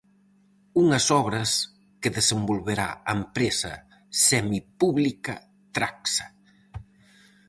Unhas obras que desenvolverá a empresa semipública Tragsa.